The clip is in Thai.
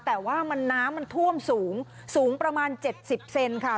แต่ว่าน้ำมันท่วมสูงสูงประมาณ๗๐เซนค่ะ